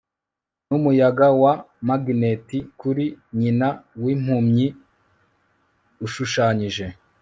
numuyaga wa magneti kuri nyina wimpumyi ushushanyije